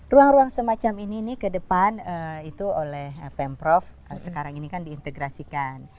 ruang ruang semacam ini ke depan itu oleh pemprov sekarang ini kan diintegrasikan